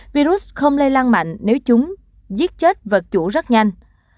virus không lây lan mạnh nếu chúng giết chết vật chủ rất nhanh